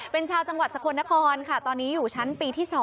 เป็นชาวจังหวัดสกลนครค่ะตอนนี้อยู่ชั้นปีที่๒